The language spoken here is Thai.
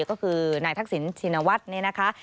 คือนายทักศิลป์ชินวัตต์